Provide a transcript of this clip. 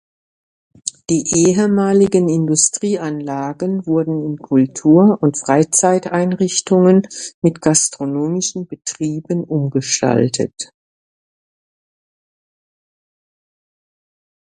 Die ehemaligen Industrieanlagen wurden in Kultur- und Freizeiteinrichtungen mit gastronomischen Betrieben umgestaltet.